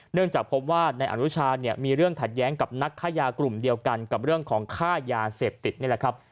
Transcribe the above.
เนื่องจากพบว่านายอนุชาเนี่ยมีเรื่องขัดแย้งกับนักค่ายากลุ่มเดียวกันกับเรื่องของค่ายาเสพติดนี่แหละครับ